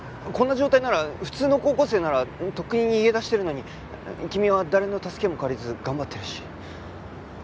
こんな状態なら普通の高校生ならとっくに逃げ出してるのに君は誰の助けも借りず頑張ってるし。